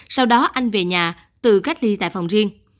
sau đó anh về nhà tự cách ly tại phòng riêng